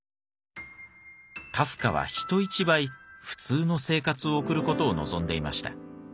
カフカは人一倍普通の生活を送る事を望んでいました。